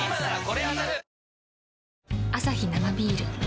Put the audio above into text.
アサヒ生ビール